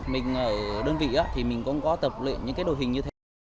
mình ở đơn vị thì mình cũng có tập luyện những cái đội hình như thế